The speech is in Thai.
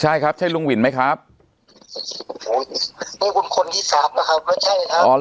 ใช่ครับใช่ลุงหวินไหมครับโอ้ยนี่คุณคนที่สามนะครับไม่ใช่ครับ